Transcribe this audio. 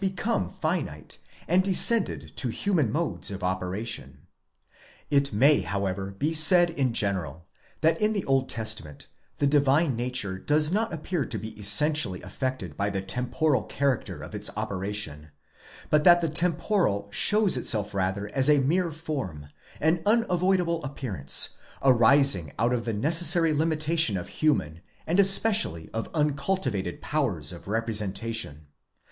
become finite and descended to human modes of. operation. It may how ever be said in genera], that in the Old Testament the divine nature does not appear to be essentially affected by the temporal character of its operation, but that the temporal shows itself rather as a mere form, an unavoidable appearance, arising out of the necessary limitation of human, and especially of uncultivated powers of representation.